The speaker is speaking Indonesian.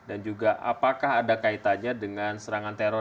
dan juga apakah ada kaitannya dengan serangan teror